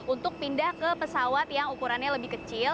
untuk pindah ke pesawat yang ukurannya lebih kecil